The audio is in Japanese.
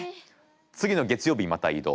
次の月曜日また移動。